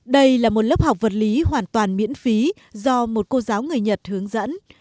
đây là một lớp học vật lý hoàn toàn miễn phí do một cô giáo người nhật hướng dẫn